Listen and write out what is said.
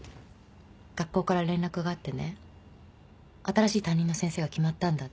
学校から連絡があってね新しい担任の先生が決まったんだって。